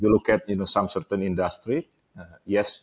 jika anda melihat industri tertentu